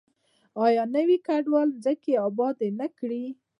آیا نویو کډوالو ځمکې ابادې نه کړې؟